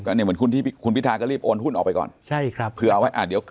อันนี้เหมือนคุณที่คุณพิทาก็รีบโอนหุ้นออกไปก่อนใช่ครับเผื่อเอาไว้อ่าเดี๋ยว